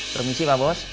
permisi pak bos